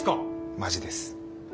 マジです。